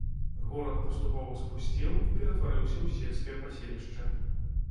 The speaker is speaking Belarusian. Горад паступова спусцеў і ператварыўся ў сельскае паселішча.